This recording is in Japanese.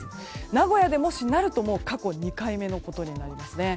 名古屋で、もしなると過去２回目のことになります。